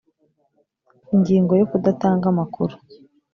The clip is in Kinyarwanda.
ingingo yo kudatanga amakuru